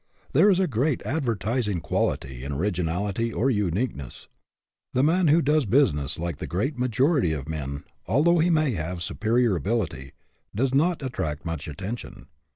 There is a great advertising quality in orig inality, or uniqueness. The man who does business like the great majority of men, al though he may have superior ability, does not attract much attention.